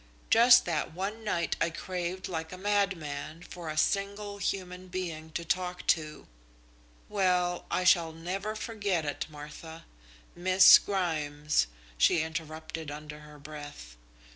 Just that one night I craved like a madman for a single human being to talk to well, I shall never forget it, Martha " "Miss Grimes!" she interrupted under her breath.